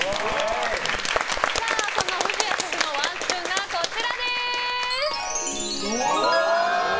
その藤谷シェフのワンスプーンがこちらです。